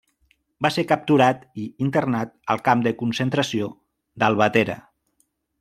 Va ser capturat i internat al camp de concentració d'Albatera.